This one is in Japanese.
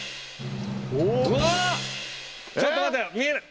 ちょっと待って見えない。